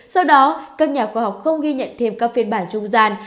do đó các nhà khoa học không ghi nhận thêm các phiên bản trung gian